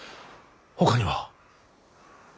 ほかには。